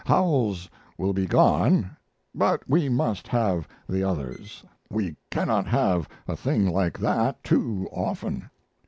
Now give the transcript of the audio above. Howells will be gone, but we must have the others. We cannot have a thing like that too often."